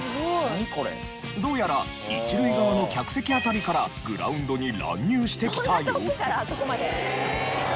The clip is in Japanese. どうやら１塁側の客席辺りからグラウンドに乱入してきた様子。